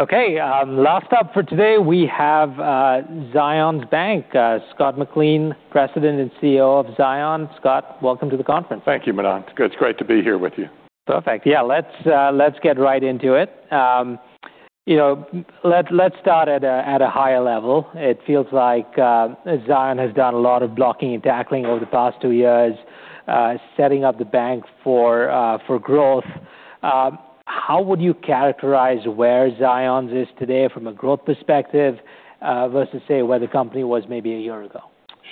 Okay. Last up for today, we have Zions Bank. Scott McLean, President and CEO of Zions. Scott, welcome to the conference. Thank you, Manan. It's great to be here with you. Perfect. Yeah, let's get right into it. Let's start at a higher level. It feels like Zions has done a lot of blocking and tackling over the past two years, setting up the bank for growth. How would you characterize where Zions is today from a growth perspective versus, say, where the company was maybe a year ago?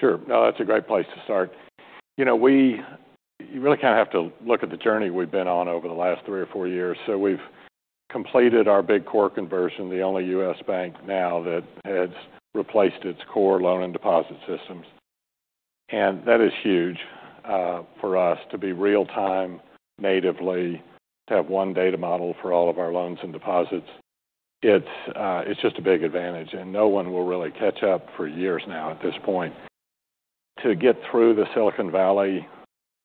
Sure. No, that's a great place to start. You really kind of have to look at the journey we've been on over the last three or four years. We've completed our big core conversion, the only U.S. bank now that has replaced its core loan and deposit systems. That is huge for us to be real time natively, to have one data model for all of our loans and deposits. It's just a big advantage, and no one will really catch up for years now at this point. To get through the Silicon Valley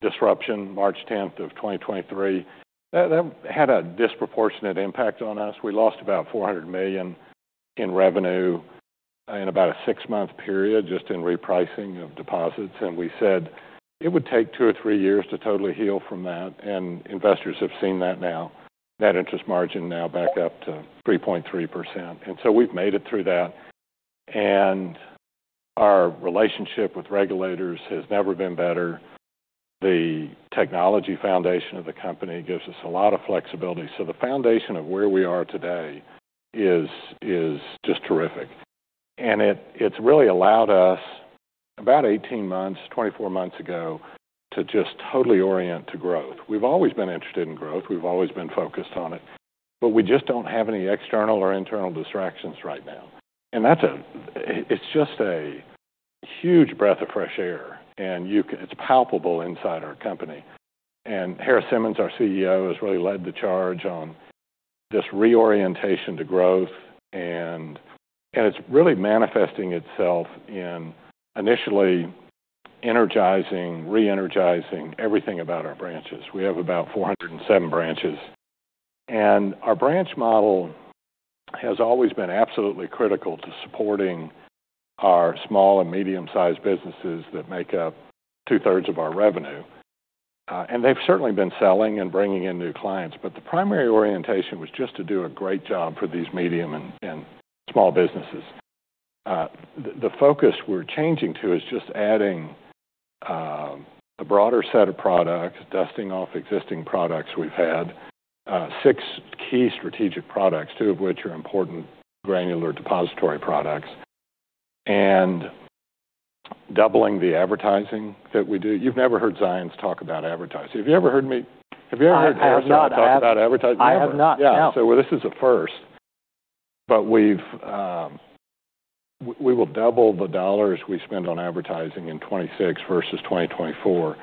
disruption March 10th of 2023, that had a disproportionate impact on us. We lost about $400 million in revenue in about a six-month period just in repricing of deposits, and we said it would take two or three years to totally heal from that. Investors have seen that now, net interest margin now back up to 3.3%. We've made it through that. Our relationship with regulators has never been better. The technology foundation of the company gives us a lot of flexibility. The foundation of where we are today is just terrific. It's really allowed us about 18 months, 24 months ago, to just totally orient to growth. We've always been interested in growth. We've always been focused on it. We just don't have any external or internal distractions right now. It's just a huge breath of fresh air, and it's palpable inside our company. Harris Simmons, our CEO, has really led the charge on this reorientation to growth, and it's really manifesting itself in initially energizing, re-energizing everything about our branches. We have about 407 branches. Our branch model has always been absolutely critical to supporting our small and medium-sized businesses that make up two-thirds of our revenue. They've certainly been selling and bringing in new clients. The primary orientation was just to do a great job for these medium and small businesses. The focus we're changing to is just adding a broader set of products, dusting off existing products we've had. Six key strategic products, two of which are important granular depository products, and doubling the advertising that we do. You've never heard Zions talk about advertising. Have you ever heard me- I have not. Harris talk about advertising? I have not. No. This is a first. We will double the dollars we spend on advertising in 2026 versus 2024,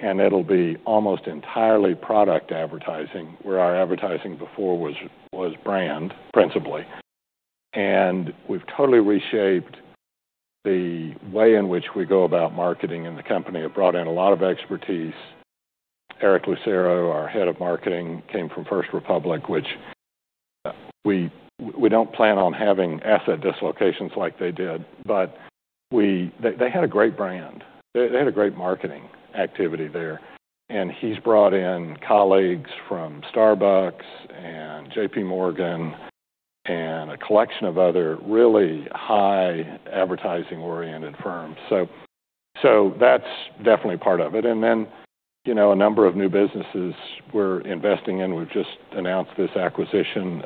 and it'll be almost entirely product advertising, where our advertising before was brand, principally. We've totally reshaped the way in which we go about marketing in the company. It brought in a lot of expertise. Eric Lucero, our head of marketing, came from First Republic, which we don't plan on having asset dislocations like they did. They had a great brand. They had a great marketing activity there. He's brought in colleagues from Starbucks and JPMorgan, and a collection of other really high advertising-oriented firms. That's definitely part of it. Then a number of new businesses we're investing in. We've just announced this acquisition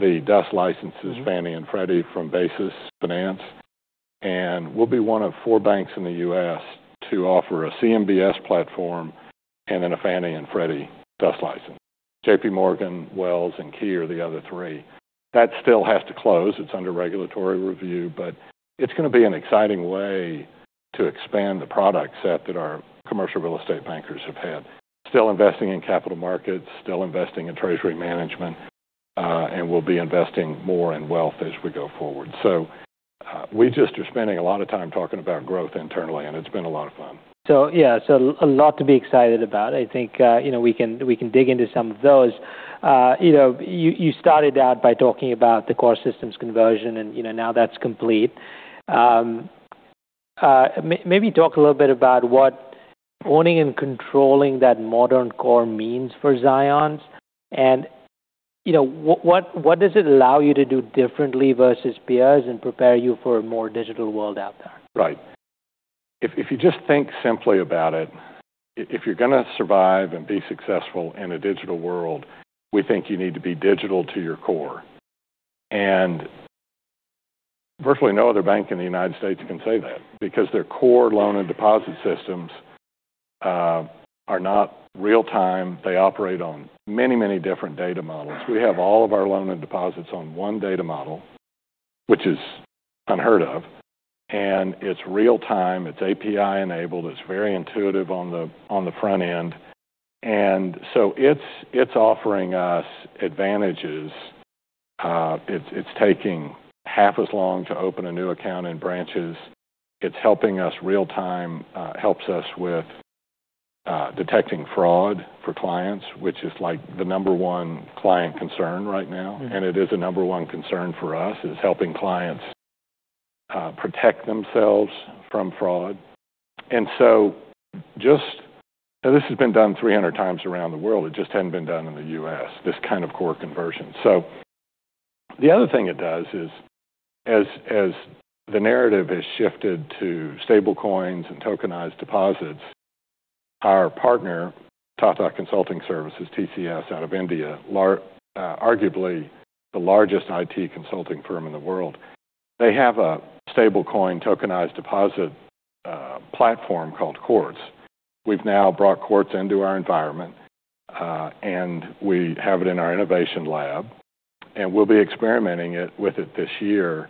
of the DUS licenses Fannie and Freddie from Basis Investment Group. We'll be one of four banks in the U.S. to offer a CMBS platform and then a Fannie and Freddie DUS license. JPMorgan, Wells, and Key are the other three. That still has to close. It's under regulatory review. It's going to be an exciting way to expand the product set that our commercial real estate bankers have had. Still investing in capital markets, still investing in treasury management, and we'll be investing more in wealth as we go forward. We just are spending a lot of time talking about growth internally, and it's been a lot of fun. Yeah, a lot to be excited about. I think we can dig into some of those. You started out by talking about the core systems conversion, and now that's complete. Maybe talk a little bit about what owning and controlling that modern core means for Zions. What does it allow you to do differently versus peers and prepare you for a more digital world out there? Right. If you just think simply about it, if you're going to survive and be successful in a digital world, we think you need to be digital to your core. Virtually no other bank in the U.S. can say that because their core loan and deposit systems are not real-time. They operate on many, many different data models. We have all of our loan and deposits on one data model, which is unheard of. It's real-time, it's API-enabled, it's very intuitive on the front end. It's offering us advantages. It's taking half as long to open a new account in branches. It's helping us real-time, helps us with detecting fraud for clients, which is the number one client concern right now. It is a number one concern for us, is helping clients protect themselves from fraud. This has been done 300 times around the world. It just hadn't been done in the U.S., this kind of core conversion. The other thing it does is as the narrative has shifted to stablecoins and tokenized deposits, our partner, Tata Consultancy Services, TCS, out of India, arguably the largest IT consulting firm in the world, they have a stablecoin tokenized deposit platform called Quartz. We've now brought Quartz into our environment, and we have it in our innovation lab. We'll be experimenting with it this year.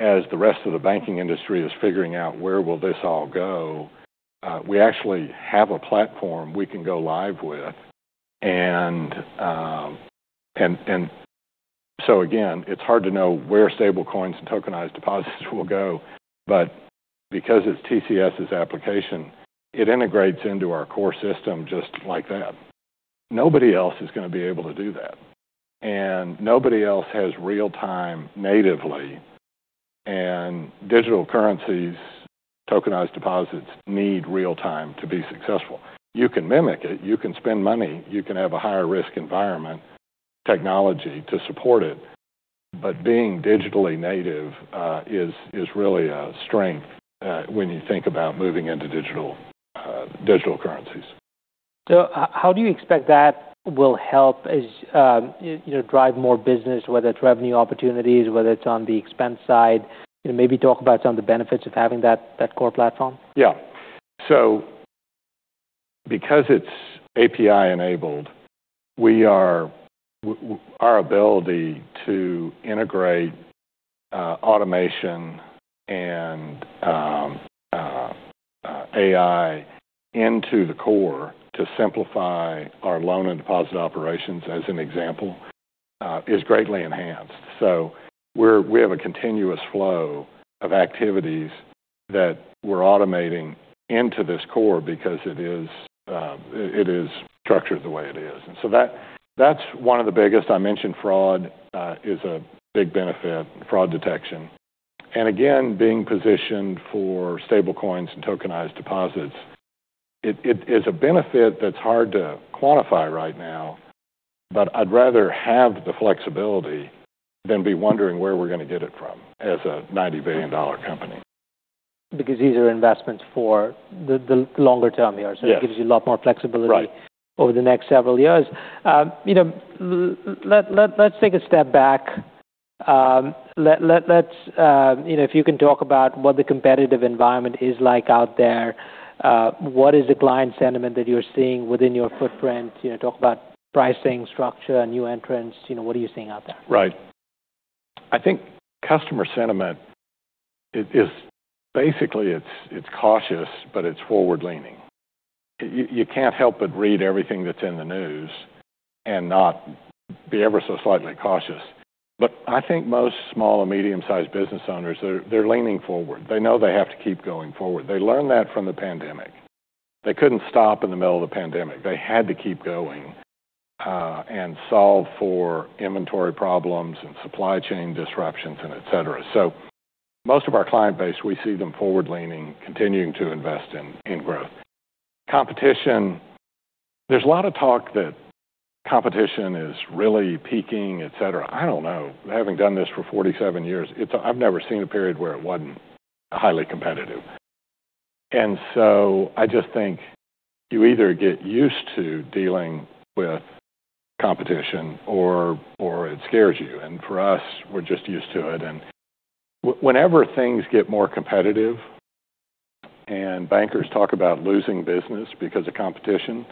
As the rest of the banking industry is figuring out where will this all go, we actually have a platform we can go live with. Again, it's hard to know where stablecoins and tokenized deposits will go, but because it's TCS's application, it integrates into our core system just like that. Nobody else is going to be able to do that, and nobody else has real-time natively and digital currencies, tokenized deposits need real-time to be successful. You can mimic it. You can spend money. You can have a higher risk environment technology to support it. Being digitally native is really a strength when you think about moving into digital currencies. How do you expect that will help drive more business, whether it's revenue opportunities, whether it's on the expense side? Maybe talk about some of the benefits of having that core platform. Because it's API-enabled, our ability to integrate automation and AI into the core to simplify our loan and deposit operations, as an example, is greatly enhanced. We have a continuous flow of activities that we're automating into this core because it is structured the way it is. That's one of the biggest. I mentioned fraud is a big benefit, fraud detection. Again, being positioned for stablecoins and tokenized deposits. It is a benefit that's hard to quantify right now, but I'd rather have the flexibility than be wondering where we're going to get it from as a $90 billion company. Because these are investments for the longer term years. Yes. It gives you a lot more flexibility. Right. Over the next several years. Let's take a step back. If you can talk about what the competitive environment is like out there, what is the client sentiment that you're seeing within your footprint? Talk about pricing structure and new entrants. What are you seeing out there? Right. I think customer sentiment is basically cautious, but it's forward-leaning. You can't help but read everything that's in the news and not be ever so slightly cautious. I think most small or medium-sized business owners, they're leaning forward. They know they have to keep going forward. They learned that from the pandemic. They couldn't stop in the middle of the pandemic. They had to keep going, and solve for inventory problems and supply chain disruptions, and et cetera. Most of our client base, we see them forward-leaning, continuing to invest in growth. Competition. There's a lot of talk that competition is really peaking, et cetera. I don't know. Having done this for 47 years, I've never seen a period where it wasn't highly competitive. I just think you either get used to dealing with competition or it scares you. For us, we're just used to it. Whenever things get more competitive and bankers talk about losing business because of competition,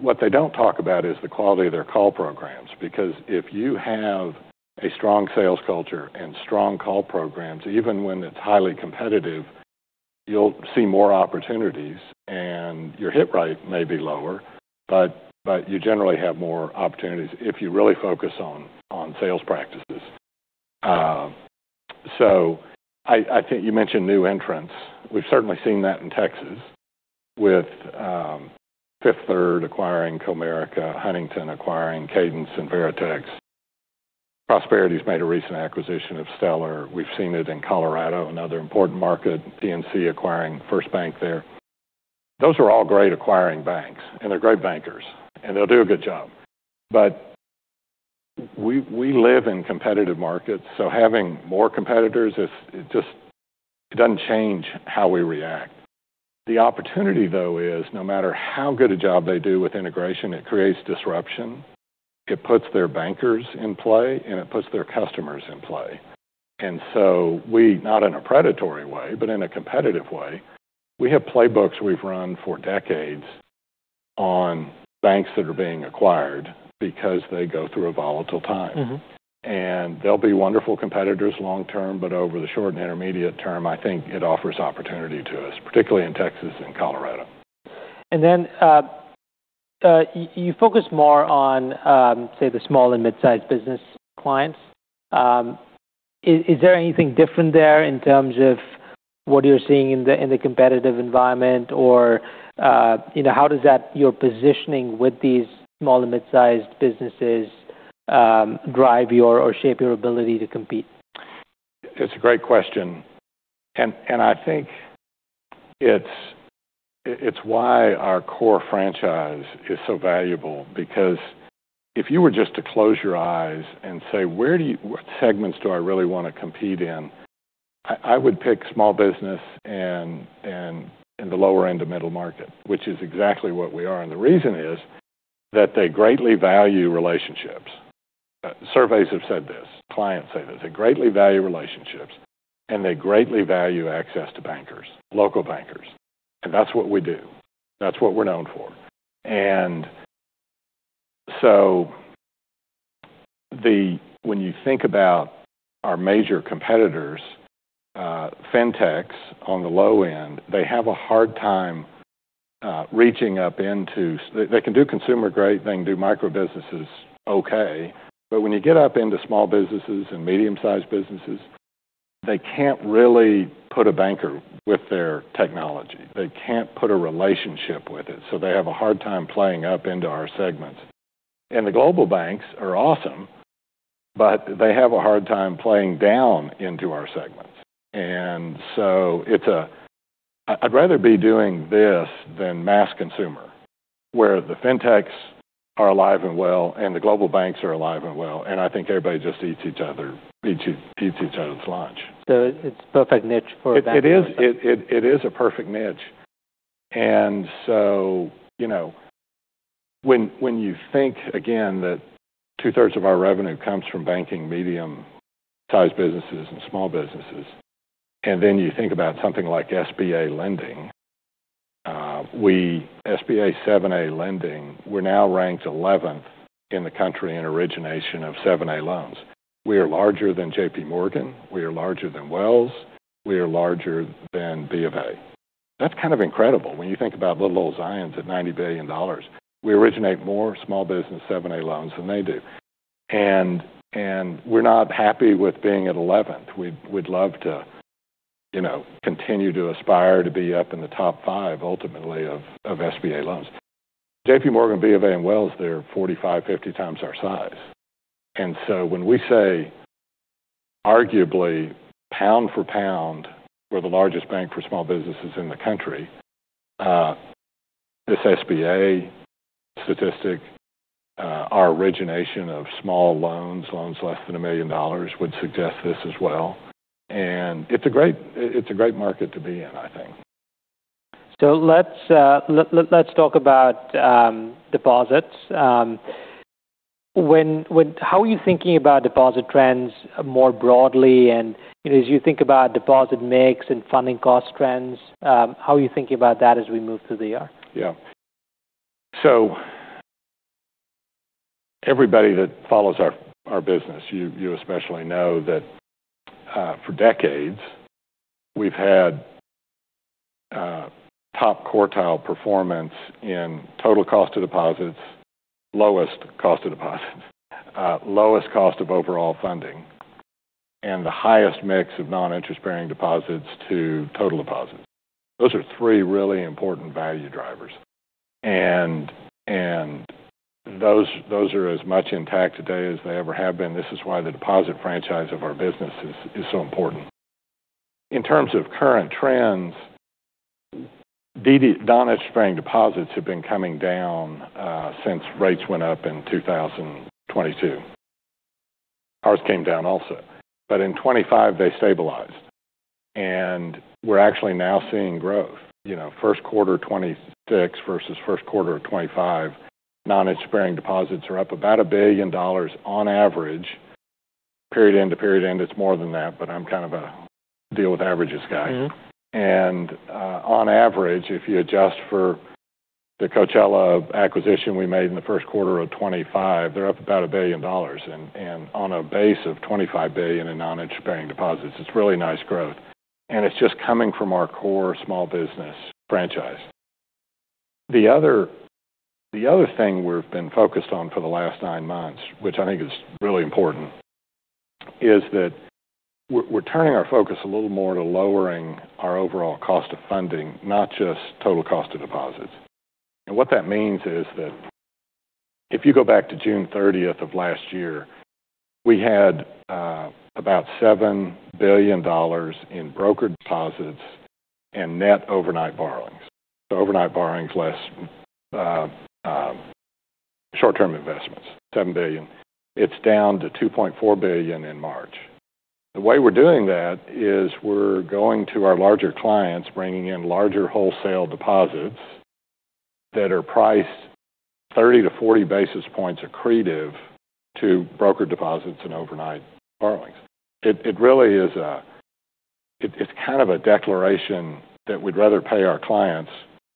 what they don't talk about is the quality of their call programs. If you have a strong sales culture and strong call programs, even when it's highly competitive, you'll see more opportunities and your hit rate may be lower, but you generally have more opportunities if you really focus on sales practices. I think you mentioned new entrants. We've certainly seen that in Texas with Fifth Third acquiring Comerica, Huntington acquiring Cadence and Veritex. Prosperity's made a recent acquisition of Stellar. We've seen it in Colorado, another important market, PNC acquiring First Bank there. Those are all great acquiring banks, and they're great bankers, and they'll do a good job. We live in competitive markets, so having more competitors, it doesn't change how we react. The opportunity, though, is no matter how good a job they do with integration, it creates disruption. It puts their bankers in play, and it puts their customers in play. We, not in a predatory way, but in a competitive way, we have playbooks we've run for decades on banks that are being acquired because they go through a volatile time. They'll be wonderful competitors long term, but over the short and intermediate term, I think it offers opportunity to us, particularly in Texas and Colorado. You focus more on, say, the small and mid-sized business clients. Is there anything different there in terms of what you're seeing in the competitive environment? How does your positioning with these small and mid-sized businesses drive or shape your ability to compete? It's a great question, I think it's why our core franchise is so valuable because if you were just to close your eyes and say, "What segments do I really want to compete in?" I would pick small business and the lower end of middle market, which is exactly what we are. The reason is that they greatly value relationships. Surveys have said this, clients say this. They greatly value relationships, they greatly value access to bankers, local bankers, that's what we do. That's what we're known for. When you think about our major competitors, fintechs on the low end, they have a hard time reaching up into. They can do consumer great, they can do micro businesses okay. When you get up into small businesses and medium-sized businesses, they can't really put a banker with their technology. They can't put a relationship with it, they have a hard time playing up into our segments. The global banks are awesome, they have a hard time playing down into our segments. I'd rather be doing this than mass consumer, where the fintechs are alive and well, the global banks are alive and well, I think everybody just eats each other's lunch. It's perfect niche for a bank. It is a perfect niche. When you think again that two-thirds of our revenue comes from banking medium-sized businesses and small businesses, then you think about something like SBA lending. SBA 7A lending, we're now ranked 11th in the country in origination of 7A loans. We are larger than JPMorgan, we are larger than Wells, we are larger than B of A. That's kind of incredible when you think about little old Zions at $90 billion. We originate more small business 7A loans than they do. We're not happy with being at 11th. We'd love to continue to aspire to be up in the top five, ultimately, of SBA loans. JPMorgan, B of A, and Wells, they're 45, 50 times our size. When we say arguably pound for pound, we're the largest bank for small businesses in the country. This SBA statistic our origination of small loans less than $1 million would suggest this as well. It's a great market to be in, I think. Let's talk about deposits. How are you thinking about deposit trends more broadly? As you think about deposit mix and funding cost trends, how are you thinking about that as we move through the year? Yeah. Everybody that follows our business, you especially know that for decades we've had top quartile performance in total cost of deposits, lowest cost of deposits, lowest cost of overall funding, and the highest mix of non-interest-bearing deposits to total deposits. Those are three really important value drivers, and those are as much intact today as they ever have been. This is why the deposit franchise of our business is so important. In terms of current trends, non-interest-bearing deposits have been coming down since rates went up in 2022. Ours came down also. In 2025 they stabilized, and we're actually now seeing growth. First quarter 2026 versus first quarter of 2025, non-interest-bearing deposits are up about $1 billion on average. Period end to period end, it's more than that, but I'm kind of a deal with averages guy. On average, if you adjust for the Coachella acquisition we made in the first quarter of 2025, they're up about $1 billion. On a base of $25 billion in non-interest-bearing deposits, it's really nice growth, and it's just coming from our core small business franchise. The other thing we've been focused on for the last nine months, which I think is really important, is that we're turning our focus a little more to lowering our overall cost of funding, not just total cost of deposits. What that means is that if you go back to June 30th of last year, we had about $7 billion in brokered deposits and net overnight borrowings. Overnight borrowings less short-term investments, $7 billion. It's down to $2.4 billion in March. The way we're doing that is we're going to our larger clients, bringing in larger wholesale deposits that are priced 30-40 basis points accretive to broker deposits and overnight borrowings. It's kind of a declaration that we'd rather pay our clients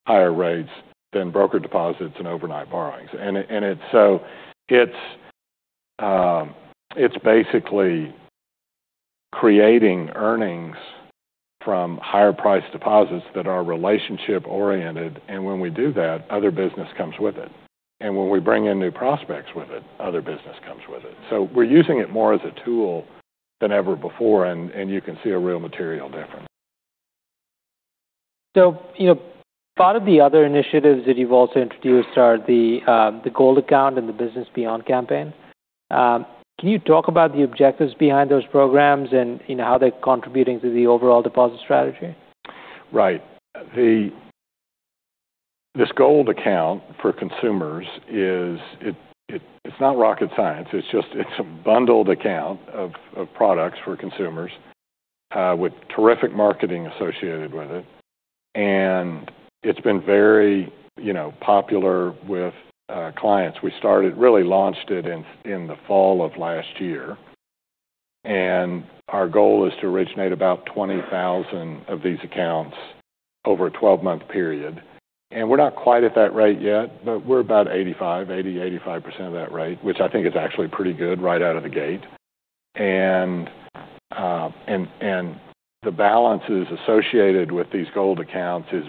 higher rates than broker deposits and overnight borrowings. It's basically creating earnings from higher-priced deposits that are relationship-oriented. When we do that, other business comes with it. When we bring in new prospects with it, other business comes with it. We're using it more as a tool than ever before, and you can see a real material difference. Part of the other initiatives that you've also introduced are the Gold Account and the Business Beyond campaign. Can you talk about the objectives behind those programs and how they're contributing to the overall deposit strategy? Right. This Gold Account for consumers is, it's not rocket science. It's a bundled account of products for consumers with terrific marketing associated with it, and it's been very popular with clients. We started, really launched it in the fall of last year, and our goal is to originate about 20,000 of these accounts over a 12-month period. We're not quite at that rate yet, but we're about 85, 80, 85% of that rate, which I think is actually pretty good right out of the gate. The balances associated with these Gold Accounts is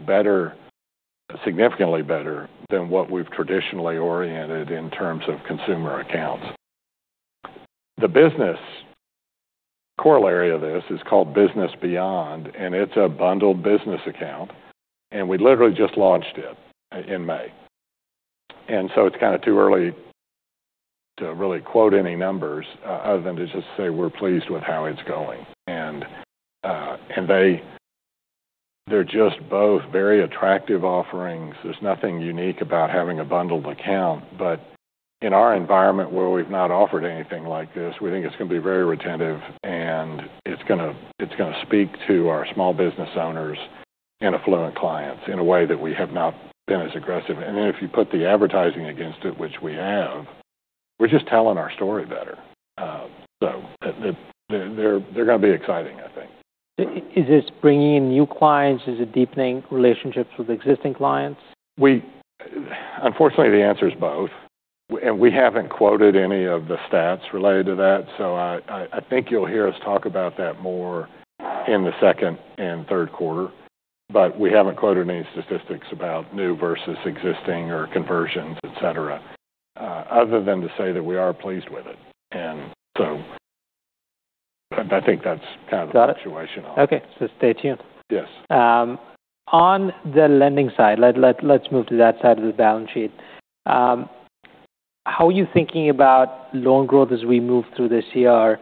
better, significantly better than what we've traditionally oriented in terms of consumer accounts. The business corollary of this is called Business Beyond, and it's a bundled business account, and we literally just launched it in May. It's kind of too early to really quote any numbers other than to just say we're pleased with how it's going. They're just both very attractive offerings. There's nothing unique about having a bundled account. In our environment where we've not offered anything like this, we think it's going to be very retentive and it's going to speak to our small business owners and affluent clients in a way that we have not been as aggressive. If you put the advertising against it, which we have, we're just telling our story better. They're going to be exciting, I think. Is this bringing in new clients? Is it deepening relationships with existing clients? Unfortunately, the answer is both. We haven't quoted any of the stats related to that. I think you'll hear us talk about that more in the second and third quarter. We haven't quoted any statistics about new versus existing or conversions, et cetera, other than to say that we are pleased with it. I think that's kind of the situation on it. Okay. Stay tuned. Yes. On the lending side. Let's move to that side of the balance sheet. How are you thinking about loan growth as we move through this year?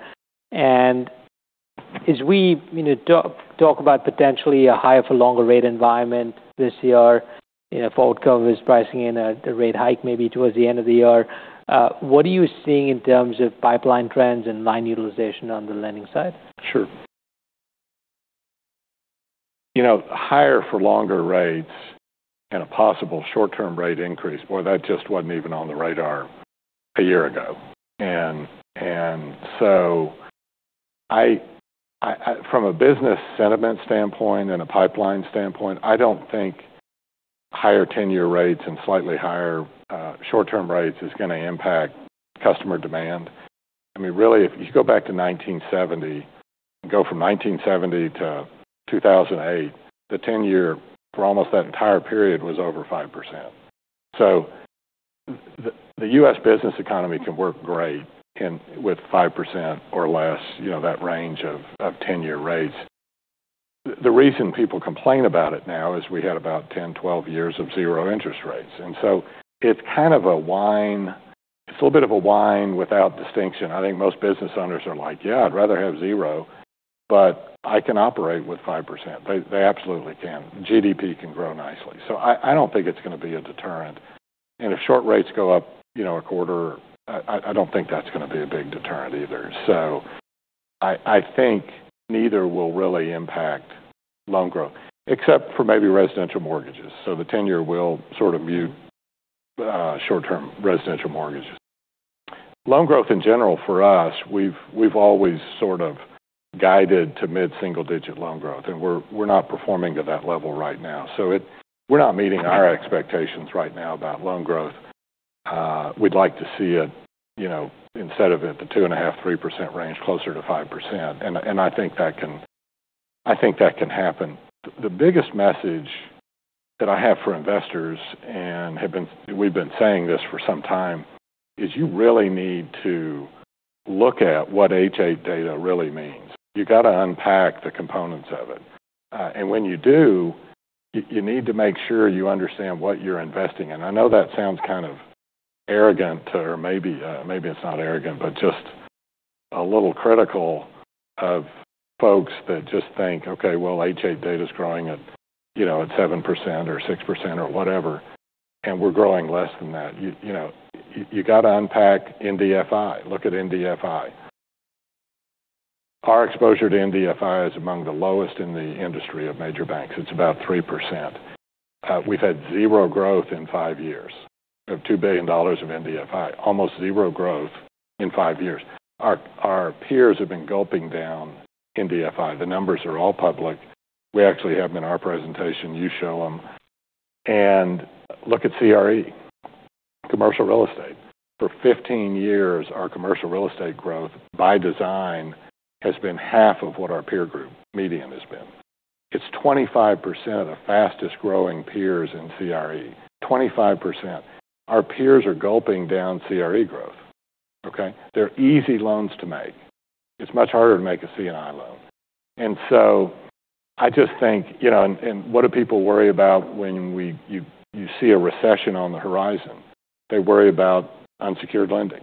As we talk about potentially a higher for longer rate environment this year, if outcome is pricing in a rate hike maybe towards the end of the year. What are you seeing in terms of pipeline trends and line utilization on the lending side? Sure. Higher for longer rates and a possible short-term rate increase. Boy, that just wasn't even on the radar a year ago. From a business sentiment standpoint and a pipeline standpoint, I don't think higher 10-year rates and slightly higher short-term rates is going to impact customer demand. I mean, really, if you go back to 1970 and go from 1970 to 2008. The 10-year for almost that entire period was over 5%. The U.S. business economy can work great with 5% or less, that range of 10-year rates. The reason people complain about it now is we had about 10, 12 years of zero interest rates. It's a little bit of a whine without distinction. I think most business owners are like, "Yeah, I'd rather have zero, but I can operate with 5%." They absolutely can. GDP can grow nicely. I don't think it's going to be a deterrent. If short rates go up a quarter, I don't think that's going to be a big deterrent either. I think neither will really impact loan growth, except for maybe residential mortgages. The 10-year will sort of mute short-term residential mortgages. Loan growth in general for us, we've always sort of guided to mid-single-digit loan growth, and we're not performing to that level right now. We're not meeting our expectations right now about loan growth. We'd like to see it, instead of at the 2.5%-3% range, closer to 5%. I think that can happen. The biggest message that I have for investors, and we've been saying this for some time, is you really need to look at what H8 data really means. You got to unpack the components of it. When you do, you need to make sure you understand what you're investing in. I know that sounds kind of arrogant. Maybe it's not arrogant, but just a little critical of folks that just think, "Okay, well, H8 data's growing at 7% or 6%," or whatever, and we're growing less than that. You got to unpack MDI. Look at MDI. Our exposure to MDI is among the lowest in the industry of major banks. It's about 3%. We've had zero growth in five years of $2 billion of MDI. Almost zero growth in five years. Our peers have been gulping down MDI. The numbers are all public. We actually have them in our presentation. You show them. Look at CRE commercial real estate. For 15 years, our commercial real estate growth, by design, has been half of what our peer group median has been. It's 25% of fastest-growing peers in CRE. 25%. Our peers are gulping down CRE growth. Okay? They're easy loans to make. It's much harder to make a C&I loan. I just think, what do people worry about when you see a recession on the horizon? They worry about unsecured lending.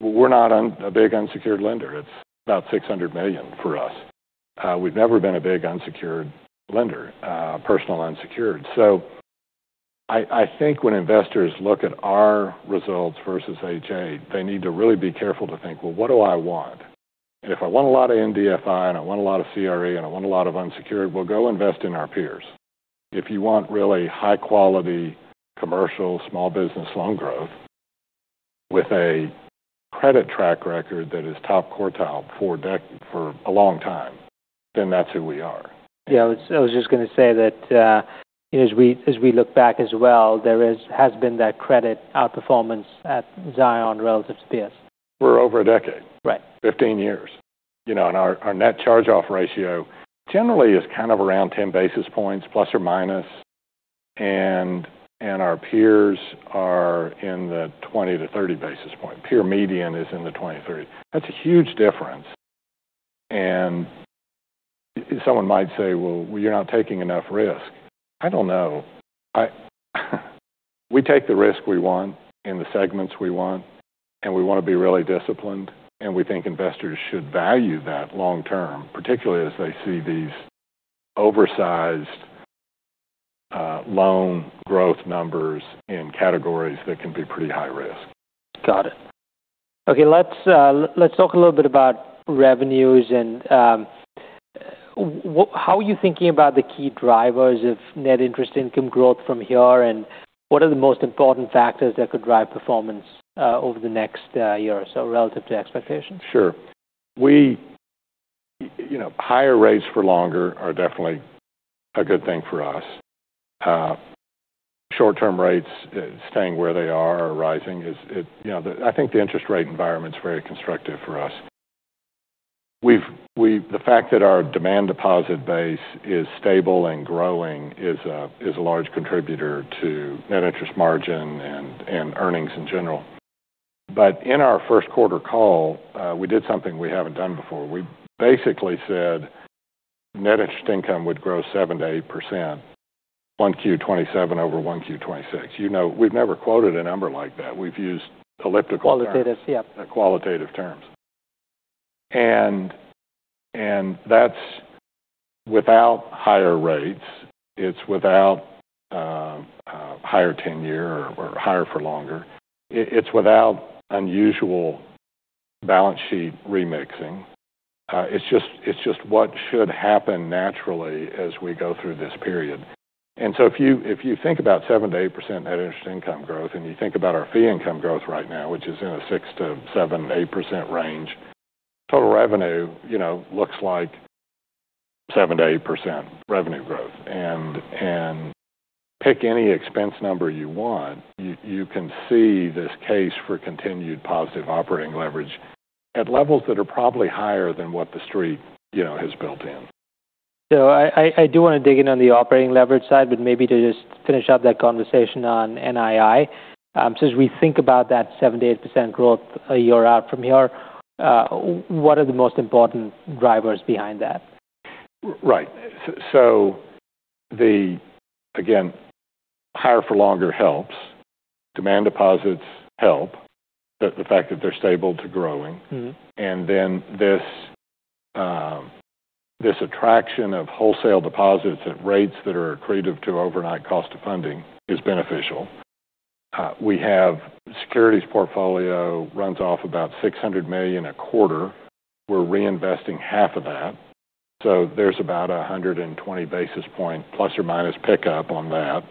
Well, we're not a big unsecured lender. It's about $600 million for us. We've never been a big unsecured lender, personal unsecured. I think when investors look at our results versus H.8, they need to really be careful to think, "Well, what do I want? If I want a lot of NDFI, and I want a lot of CRE, and I want a lot of unsecured, well, go invest in our peers." If you want really high-quality commercial small business loan growth with a credit track record that is top quartile for a long time, that's who we are. Yeah. I was just going to say that as we look back as well, there has been that credit outperformance at Zions relative to peers. For over a decade. Right. 15 years. Our net charge-off ratio generally is kind of around 10 basis points, plus or minus, and our peers are in the 20-30 basis points. Peer median is in the 20-30 basis points. That's a huge difference. Someone might say, "Well, you're not taking enough risk." I don't know. We take the risk we want in the segments we want, and we want to be really disciplined, and we think investors should value that long term, particularly as they see these oversized loan growth numbers in categories that can be pretty high risk. Got it. Okay. Let's talk a little bit about revenues, and how are you thinking about the key drivers of net interest income growth from here? What are the most important factors that could drive performance over the next year or so relative to expectations? Sure. Higher rates for longer are definitely a good thing for us. Short-term rates staying where they are or rising, I think the interest rate environment's very constructive for us. The fact that our demand deposit base is stable and growing is a large contributor to net interest margin and earnings in general. In our first-quarter call, we did something we haven't done before. We basically said net interest income would grow 7%-8%, 1Q 2027 over 1Q 2026. You know we've never quoted a number like that. We've used elliptical terms. Qualitative, yeah. That's without higher rates. It's without higher tenure or higher for longer. It's without unusual balance sheet remixing. It's just what should happen naturally as we go through this period. If you think about 7%-8% net interest income growth, and you think about our fee income growth right now, which is in a 6%-7%, 8% range, total revenue looks like 7%-8% revenue growth. Pick any expense number you want, you can see this case for continued positive operating leverage at levels that are probably higher than what the street has built in. I do want to dig in on the operating leverage side, but maybe to just finish up that conversation on NII. As we think about that 7%-8% growth a year out from here, what are the most important drivers behind that? Right. Again, higher for longer helps. Demand deposits help. The fact that they're stable to growing. This attraction of wholesale deposits at rates that are accretive to overnight cost of funding is beneficial. We have securities portfolio runs off about $600 million a quarter. We're reinvesting half of that, so there's about 120 basis points ± pickup on that.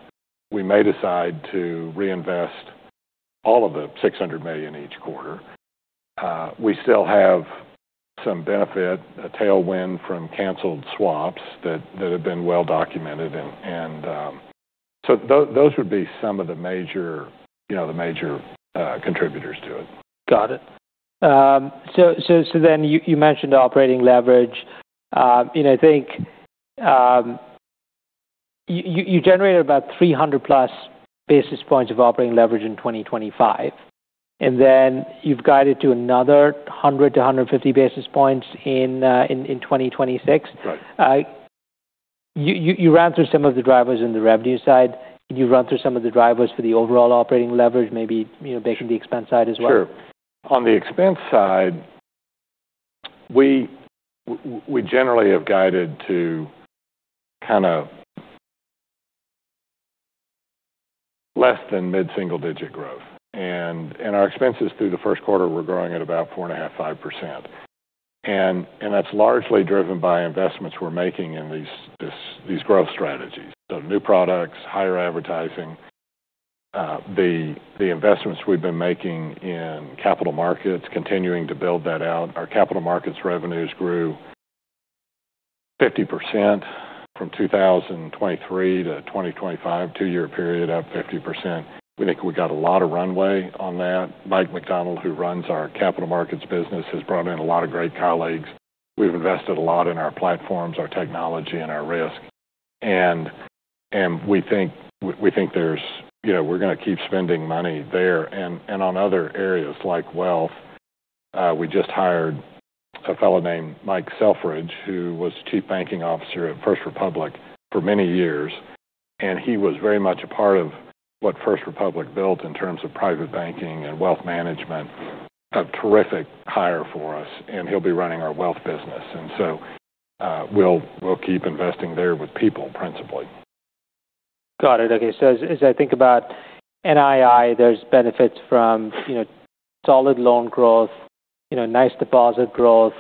We may decide to reinvest all of the $600 million each quarter. We still have some benefit, a tailwind from canceled swaps that have been well documented. Those would be some of the major contributors to it. Got it. You mentioned the operating leverage. I think you generated about 300+ basis points of operating leverage in 2025, and then you've guided to another 100-150 basis points in 2026. Right. You ran through some of the drivers in the revenue side. Can you run through some of the drivers for the overall operating leverage, maybe, based on the expense side as well? Sure. On the expense side, we generally have guided to kind of less than mid-single-digit growth. Our expenses through the first quarter were growing at about 4.5%, 5%. That's largely driven by investments we're making in these growth strategies. New products, higher advertising. The investments we've been making in capital markets, continuing to build that out. Our capital markets revenues grew 50% from 2023 to 2025, two-year period up 50%. We think we got a lot of runway on that. Mike MacDonald, who runs our capital markets business, has brought in a lot of great colleagues. We've invested a lot in our platforms, our technology, and our risk. We think we're going to keep spending money there. On other areas like wealth, we just hired a fellow named Mike Selfridge, who was Chief Banking Officer at First Republic for many years, and he was very much a part of what First Republic built in terms of private banking and wealth management. A terrific hire for us, and he'll be running our wealth business. We'll keep investing there with people, principally. Got it. Okay. As I think about NII, there's benefits from solid loan growth, nice deposit growth,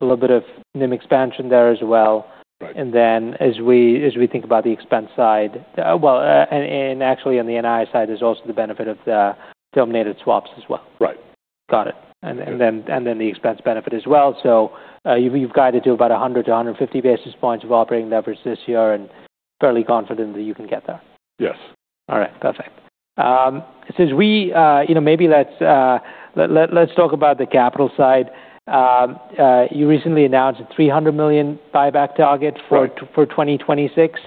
a little bit of NIM expansion there as well. Right. As we think about the expense side, well, and actually on the NII side, there's also the benefit of the dominated swaps as well. Right. Got it. The expense benefit as well. You've guided to about 100 to 150 basis points of operating leverage this year and fairly confident that you can get there. Yes. All right. Perfect. Maybe let's talk about the capital side. You recently announced a $300 million buyback target for- Right. 2026.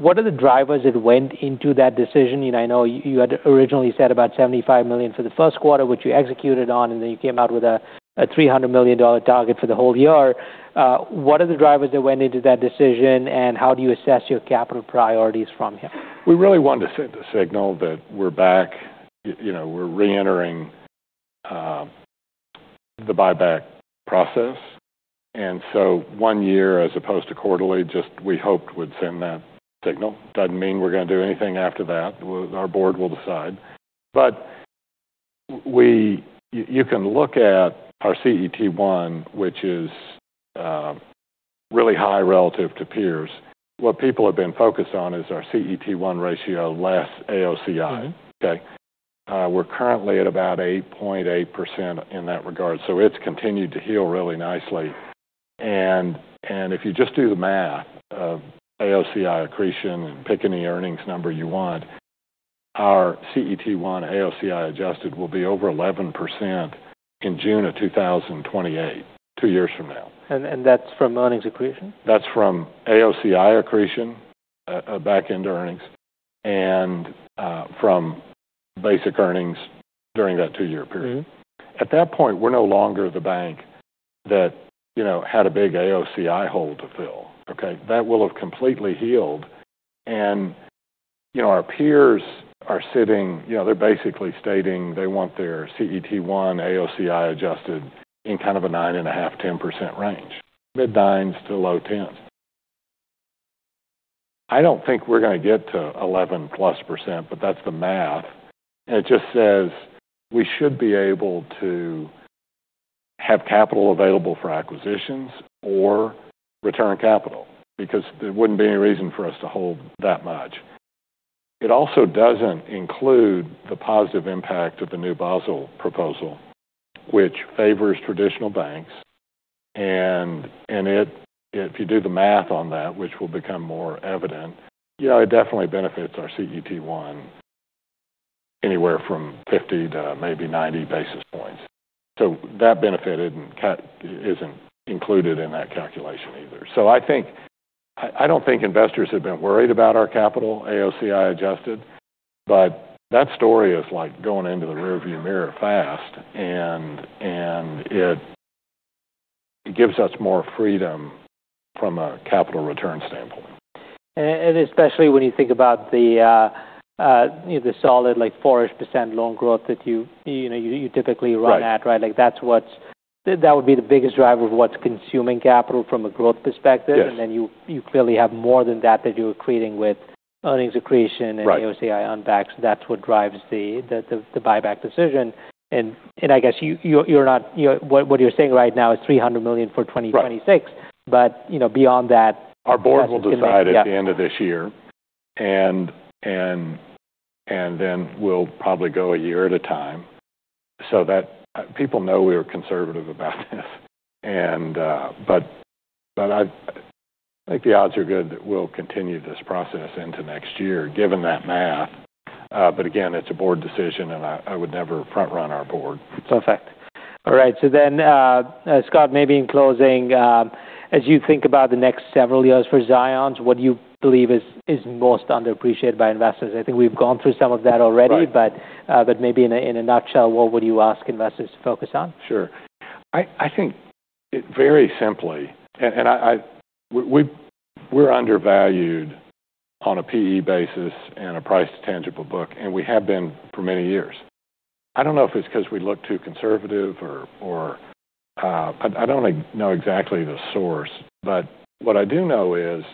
What are the drivers that went into that decision? I know you had originally said about $75 million for the first quarter, which you executed on, then you came out with a $300 million target for the whole year. What are the drivers that went into that decision, and how do you assess your capital priorities from here? We really wanted to send the signal that we're back. We're re-entering the buyback process. One year as opposed to quarterly, just we hoped would send that signal. Doesn't mean we're going to do anything after that. Our board will decide. You can look at our CET1, which is really high relative to peers. What people have been focused on is our CET1 ratio, less AOCI. Okay? We're currently at about 8.8% in that regard. It's continued to heal really nicely. If you just do the math of AOCI accretion and pick any earnings number you want, our CET1 AOCI adjusted will be over 11% in June of 2028, two years from now. That's from earnings accretion? That's from AOCI accretion back into earnings and from basic earnings during that two-year period. At that point, we're no longer the bank that had a big AOCI hole to fill. Okay? That will have completely healed. Our peers are basically stating they want their CET1 AOCI adjusted in kind of a 9.5%-10% range, mid-nines to low tens. I don't think we're going to get to 11+%, but that's the math. It just says we should be able to have capital available for acquisitions or return capital because there wouldn't be any reason for us to hold that much. It also doesn't include the positive impact of the new Basel proposal, which favors traditional banks. If you do the math on that, which will become more evident, it definitely benefits our CET1 anywhere from 50 to maybe 90 basis points. That benefit isn't included in that calculation either. I don't think investors have been worried about our capital AOCI adjusted, but that story is going into the rear view mirror fast, and it gives us more freedom from a capital return standpoint. Especially when you think about the solid 4%-ish loan growth that you typically run at. Right. That would be the biggest driver of what's consuming capital from a growth perspective. Yes. You clearly have more than that you're accreting with earnings accretion. Right AOCI unwinds. That's what drives the buyback decision. I guess what you're saying right now is $300 million for 2026/ Right. Beyond that. Our board will decide at the end of this year, then we'll probably go a year at a time so that people know we're conservative about this. I think the odds are good that we'll continue this process into next year given that math. Again, it's a board decision, and I would never front-run our board. Perfect. All right. Scott, maybe in closing, as you think about the next several years for Zions, what do you believe is most underappreciated by investors? I think we've gone through some of that already. Right. Maybe in a nutshell, what would you ask investors to focus on? Sure. I think very simply, we're undervalued on a PE basis and a price to tangible book, and we have been for many years. I don't know if it's because we look too conservative or I don't know exactly the source. What I do know is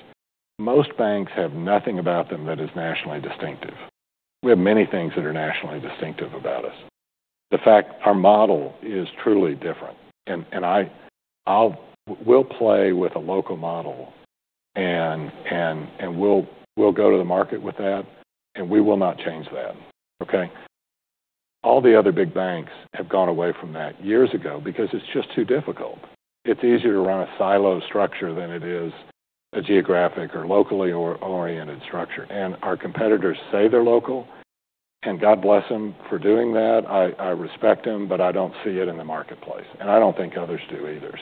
most banks have nothing about them that is nationally distinctive. We have many things that are nationally distinctive about us. The fact our model is truly different, we'll play with a local model, we'll go to the market with that, we will not change that. Okay. All the other big banks have gone away from that years ago because it's just too difficult. It's easier to run a silo structure than it is a geographic or locally oriented structure. Our competitors say they're local, and God bless them for doing that. I respect them, I don't see it in the marketplace, and I don't think others do either.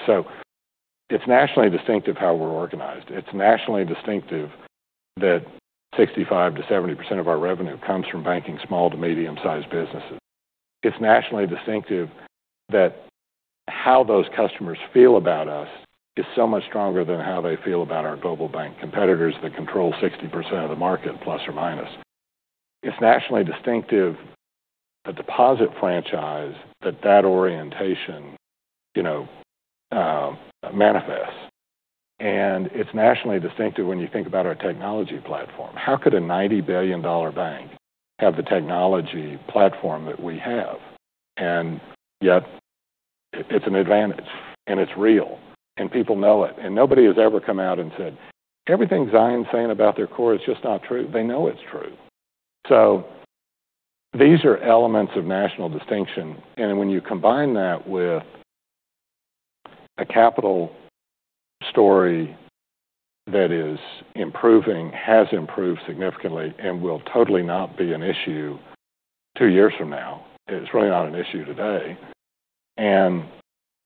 It's nationally distinctive how we're organized. It's nationally distinctive that 65%-70% of our revenue comes from banking small to medium-sized businesses. It's nationally distinctive that how those customers feel about us is so much stronger than how they feel about our global bank competitors that control 60% of the market, plus or minus. It's nationally distinctive, a deposit franchise that that orientation manifests. It's nationally distinctive when you think about our technology platform. How could a $90 billion bank have the technology platform that we have? Yet it's an advantage, and it's real, and people know it. Nobody has ever come out and said, "Everything Zions saying about their core is just not true." They know it's true. These are elements of national distinction, and when you combine that with a capital story that is improving, has improved significantly, and will totally not be an issue two years from now, it's really not an issue today.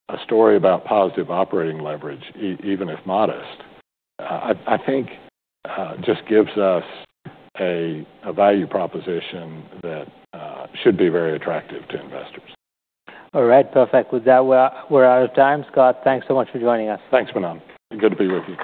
A story about positive operating leverage, even if modest, I think just gives us a value proposition that should be very attractive to investors. All right, perfect. With that, we're out of time. Scott, thanks so much for joining us. Thanks, Manan. Good to be with you.